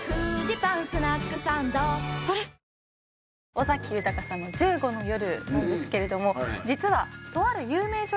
尾崎豊さんの『１５の夜』なんですけれども実はとある。